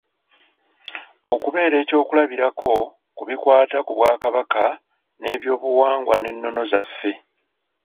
Okubeera eky'okulabirako ku bikwata ku bwakabaka n'eby'obuwangwa n'ennono zaffe.